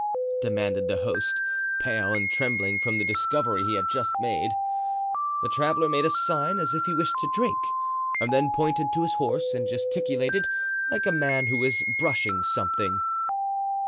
demanded the host, pale and trembling from the discovery he had just made. The traveler made a sign as if he wished to drink, and then pointed to his horse and gesticulated like a man who is brushing something.